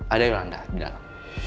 ada yolanda di dalam